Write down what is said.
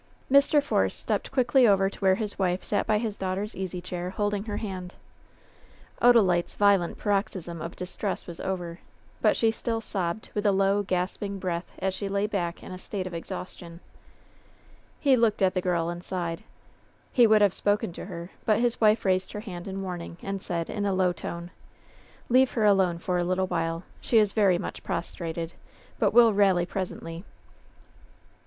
Mr. Force stepped quickly over to where his wife sat by his daughter's easy chair, holding her hand. Odalite's violent paroxysm of distress was over, but she still sobbed with a low, gasping breath as she lay back in a state of exhaustion. LOVE'S BITTEREST CUP 95 He looked at the girl and sighed. He wotdd have spoken to her, but his wife raised her hand in warning and said, in a low tone : "Leave her alone for a little while. She is very much prostrated, but will rally presently.